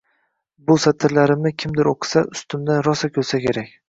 Bu satrlarimni kimdir o`qisa, ustimdan rosa kulsa kerak